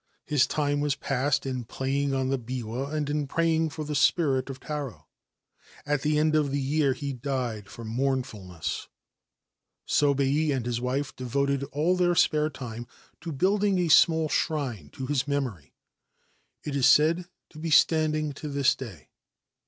His time was passed playing on the biwa and in praying for the spirit of Ta At the end of the year he died from mournfulness. So and his wife devoted all their spare time to building small shrine to his memory. It is said to be standi to this day.